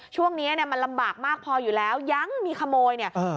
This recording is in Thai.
ช่วงนี้เนี่ยมันลำบากมากพออยู่แล้วยังมีขโมยเนี่ย